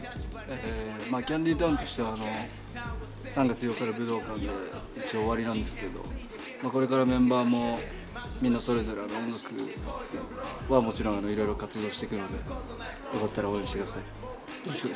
ＫＡＮＤＹＴＯＷＮとしては３月８日の武道館で一応終わりなんですけど、これからメンバーも、みんなそれぞれもちろんいろいろ活動していくので、よかったら応援してください。